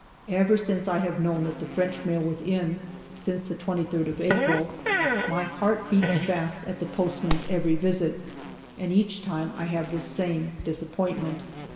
Ever since I have known that the French mail was in (since the 23d of April), my heart beats fast at the postman's every visit, and each time I have the same disappointment.